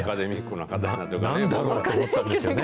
なんだろうと思ったんですよね。